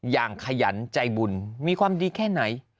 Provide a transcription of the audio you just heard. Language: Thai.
ขยันใจบุญมีความดีแค่ไหน